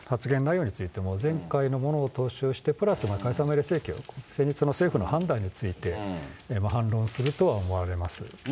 たぶんきょうの発言内容についても、前回のものを踏襲して、プラス解散命令請求、先日の政府の判断について、反論するとは思われます。